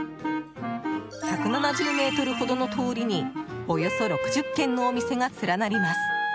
１７０ｍほどの通りにおよそ６０軒のお店が連なります。